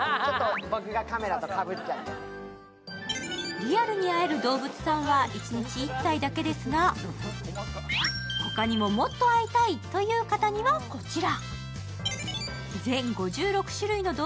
リアルに会えるどうぶつさんは一日１体だけですが、他にももっと会いたいという方にはこちら。